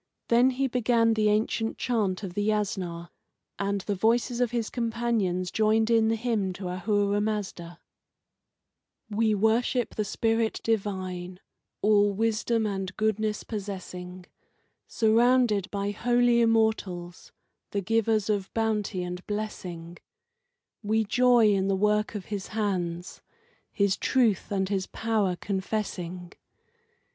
Then he began the ancient chant of the Yasna, and the voices of his companions joined in the hymn to Ahura Mazda: We worship the Spirit Divine, all wisdom and goodness possessing, Surrounded by Holy Immortals, the givers of bounty and blessing; We joy in the work of His hands, His truth and His power confessing.